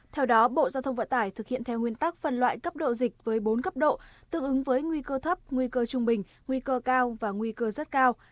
theo đó bộ giao thông vận tải thực hiện theo nguyên tắc phân loại cấp độ dịch với bốn cấp độ tương ứng với nguy cơ thấp nguy cơ trung bình nguy cơ cao và nguy cơ rất cao